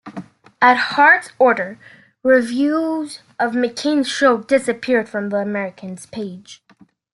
At Hearst's orders, reviews of McCay's shows disappeared from the "American"s pages.